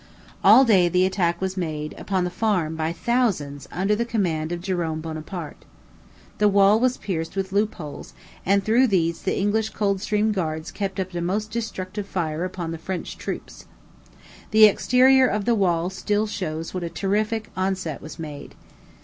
All day the attack was made, upon the farm by thousands, under the command of Jerome Bonaparte. The wall was pierced with loopholes, and through these the English Coldstream Guards kept up a most destructive fire upon the French troops. The exterior of the wall still shows what a terrific onset was made.